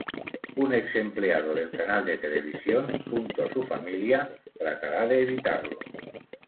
Un ex-empleado del canal de televisión, junto a su familia, tratará de evitarlo.